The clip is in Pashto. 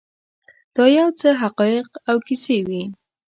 دا یو څه حقایق او کیسې وې.